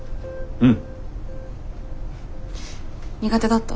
うん。